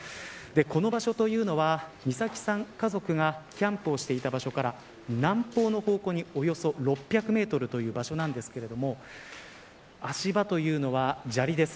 この場所というのは美咲さん家族がキャンプをしていた場所から南方の方向におよそ６００メートルという場所ですが足場というのは砂利です。